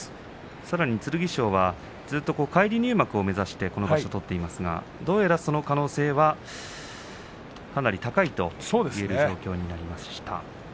さらに剣翔はずっと返り入幕を目指してこの場所取っていますがどうやら、その可能性はかなり高いといえる状況になりました。